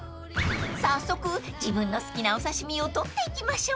［早速自分の好きなお刺し身を取っていきましょう］